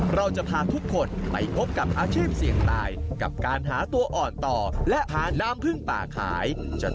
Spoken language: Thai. เราจะพาทุกคนไปพบกับอาชีพเสี่ยงตาย